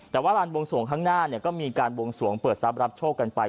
แต่ว่าลานบวงสวงข้างหน้าก็มีการบวงสวงเปิดทรัพย์รับโชคกันไป